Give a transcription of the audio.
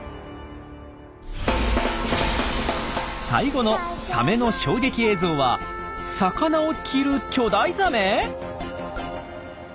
最後のサメの衝撃映像は魚を着る巨大ザメ！？